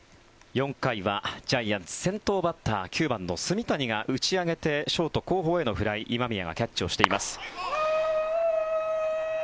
４回はジャイアンツ先頭バッターの９番の炭谷が打ち上げてショート後方へのフライ今宮がキャッチしています。